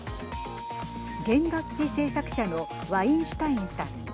弦楽器製作者のワインシュタインさん。